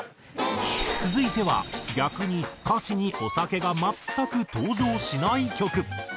続いては逆に歌詞にお酒が全く登場しない曲。